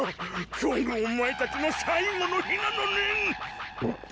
今日がお前たちの最期の日なのねん！